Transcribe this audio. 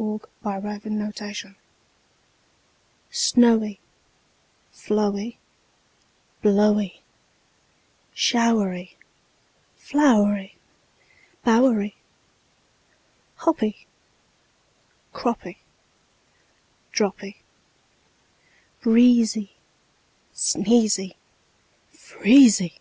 Y Z The Twelve Months SNOWY, Flowy, Blowy, Showery, Flowery, Bowery, Hoppy, Croppy, Droppy, Breezy, Sneezy, Freezy.